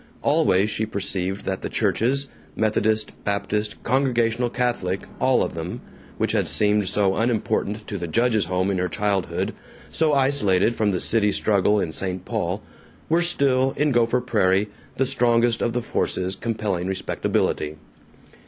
Always she perceived that the churches Methodist, Baptist, Congregational, Catholic, all of them which had seemed so unimportant to the judge's home in her childhood, so isolated from the city struggle in St. Paul, were still, in Gopher Prairie, the strongest of the forces compelling respectability.